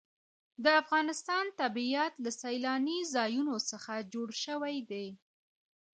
د افغانستان طبیعت له سیلاني ځایونو څخه جوړ شوی دی.